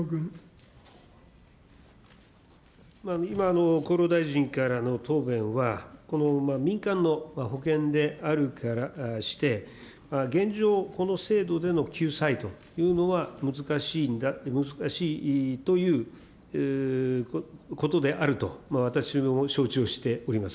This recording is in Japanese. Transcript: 今、厚労大臣からの答弁は、この民間の保険であるからして、現状、この制度での救済というのは難しいということであると、私も承知をしております。